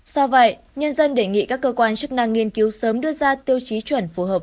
do vậy nhân dân đề nghị các cơ quan chức năng nghiên cứu sớm đưa ra tiêu chí chuẩn phù hợp